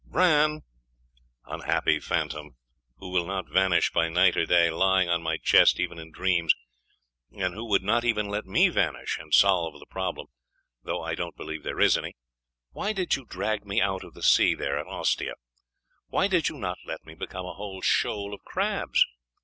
'Bran! unhappy phantom, who will not vanish by night or day, lying on my chest even in dreams; and who would not even let me vanish, and solve the problem though I don't believe there is any why did you drag me out of the sea there at Ostia? Why did you not let me become a whole shoal of crabs?